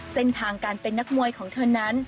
เส้นทางการเป็นนักมวยของเธอนั้น